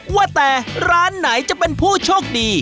ว่าแต่ร้านไหนจะเป็นผู้โชคดี